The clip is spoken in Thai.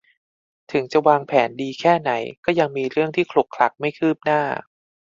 ถึงจะวางแผนดีแค่ไหนก็ยังมีเรื่องที่ขลุกขลักไม่คืบหน้า